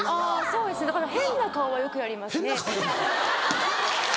そうですだから変な顔はよくやりますね。